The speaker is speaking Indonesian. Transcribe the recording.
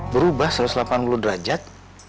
berubah satu ratus delapan puluh derajat